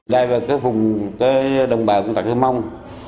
đây là vùng đồng bào của tạc thứ mông